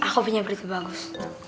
kopinya berarti bagus